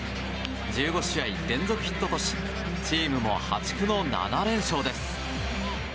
１５試合連続ヒットとしチームも破竹の７連勝です。